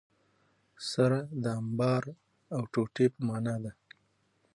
سره د انبار او ټوټي په مانا ده.